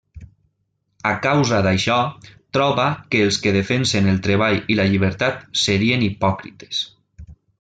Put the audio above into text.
A causa d'això, troba que els que defensen el treball i la llibertat serien hipòcrites.